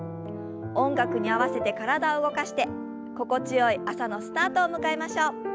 音楽に合わせて体を動かして心地よい朝のスタートを迎えましょう。